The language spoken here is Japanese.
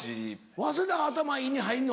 早稲田が頭いいに入るの？